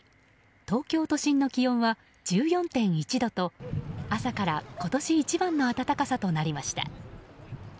東京都心の気温は１４．１度と朝から今年一番の暖かさとなりました。